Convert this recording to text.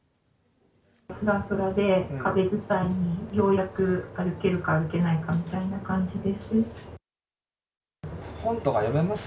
ふらふらで壁伝いにようやく歩けるか歩けないかみたいな感じです。